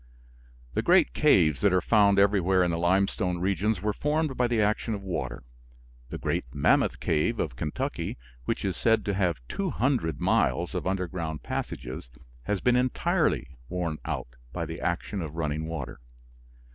The great caves that are found everywhere in the limestone regions were formed by the action of water. The great Mammoth Cave of Kentucky, which is said to have 200 miles of underground passages, has been entirely worn out by the action of running water.